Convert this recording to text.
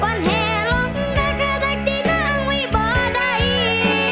วันแห่งหลงแล้วก็ทักจิตนั้งวิบ่ได้